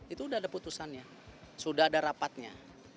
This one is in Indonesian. itu sudah ada putusannya sudah ada rapatnya